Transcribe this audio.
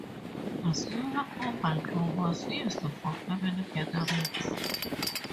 A smaller oval room was used for family gatherings.